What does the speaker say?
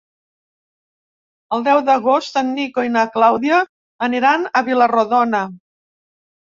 El deu d'agost en Nico i na Clàudia aniran a Vila-rodona.